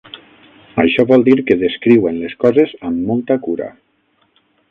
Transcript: Això vol dir que descriuen les coses amb molta cura.